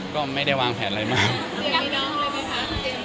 ก็ไม่ได้วางแรงอะไรมาก